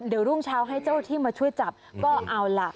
เดี๋ยวรุ่งเช้าให้เจ้าที่มาช่วยจับก็เอาล่ะ